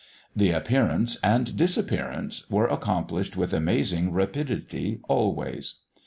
The appearance and disappearance were accomplished with amazing rapidity always.